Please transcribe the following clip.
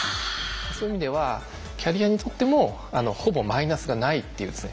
そういう意味ではキャリアにとってもほぼマイナスがないっていうですね。